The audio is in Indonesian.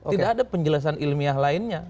tidak ada penjelasan ilmiah lainnya